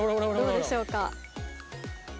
どうでしょうか。